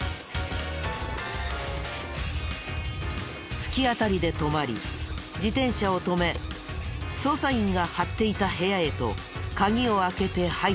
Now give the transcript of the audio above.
突き当たりで止まり自転車を止め捜査員が張っていた部屋へと鍵を開けて入っていく。